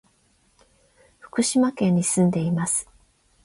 福島県に住んでいます。